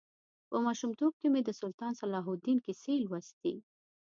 په ماشومتوب کې مې د سلطان صلاح الدین کیسې لوستې.